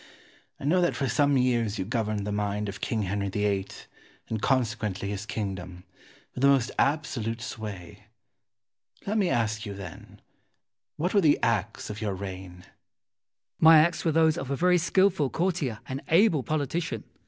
I know that for some years you governed the mind of King Henry VIII., and consequently his kingdom, with the most absolute sway. Let me ask you, then, What were the acts of your reign? Wolsey. My acts were those of a very skilful courtier and able politician.